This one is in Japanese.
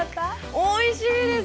おいしいです。